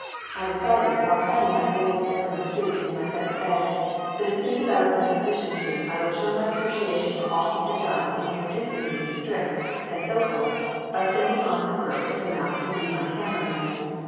I decided, while cramming my old spring suit into my second bag, that as soon as I was in a position to I would show my appreciation for all he had done in introducing me to Strick and so forth, by sending on for Bert to come out and be my camera man.